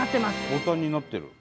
ボタンになってる。